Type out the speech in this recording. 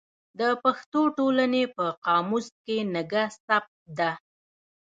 د پښتو ټولنې په قاموس کې نګه ثبت ده.